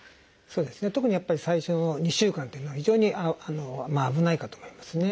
特にやっぱり最初の２週間っていうのは非常に危ないかと思いますね。